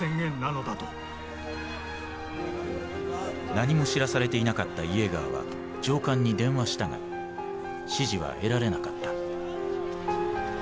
何も知らされていなかったイエーガーは上官に電話したが指示は得られなかった。